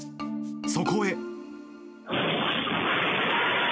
そこへ。